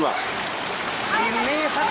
bahagia itu lima rt